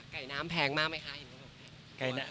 ไก่น้ำแพงมากไหมคะ